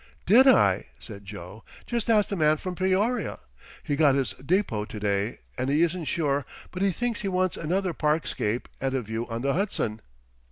"Did I?" said Joe; "just ask the man from Peoria. He got his depot to day, and he isn't sure but he thinks he wants another parkscape and a view on the Hudson.